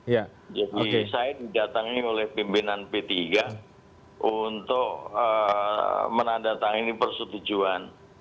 jadi saya didatangi oleh pimpinan p tiga untuk menandatangani persetujuan